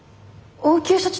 応急処置？